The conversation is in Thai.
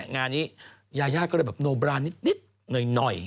งานนี้ยายาก็เลยแบบโนบรานิดหน่อย